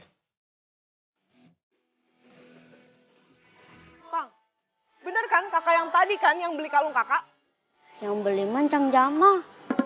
bang bener kan kakak yang tadi kan yang beli kalung kakak yang beli mancang jamah